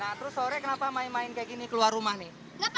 nah terus sore kenapa main main kayak gini keluar rumah nih